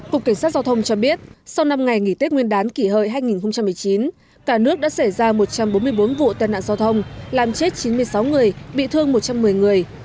cục cảnh sát giao thông cho biết sau năm ngày nghỉ tết nguyên đán kỷ hợi hai nghìn một mươi chín cả nước đã xảy ra một trăm bốn mươi bốn vụ tai nạn giao thông làm chết chín mươi sáu người bị thương một trăm một mươi người